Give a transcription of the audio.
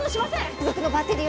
付属のバッテリーは？